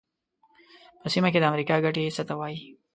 په سیمه کې د امریکا ګټې څه ته وایي.